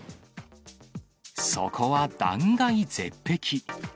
そこは断崖絶壁。